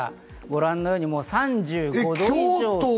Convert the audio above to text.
ご覧のように３５度以上。